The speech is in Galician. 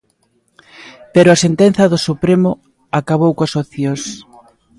Pero a sentenza do Supremo acabou coas opcións.